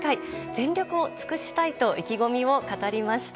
全力を尽くしたいと意気込みを語りました。